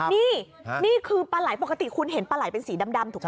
นี่นี่คือปลาไหล่ปกติคุณเห็นเป็นสีดำถูกปะ